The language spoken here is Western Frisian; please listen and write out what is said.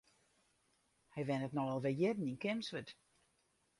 Hy wennet no al wer jierren yn Kimswert.